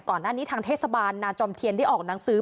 ก่อนหน้านี้ทางเทศบาลนาจอมเทียนได้ออกหนังสือ